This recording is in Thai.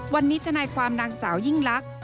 วันนี้ทนายความนางสาวยิ่งลักษ